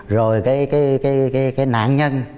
rồi cái nạn nhân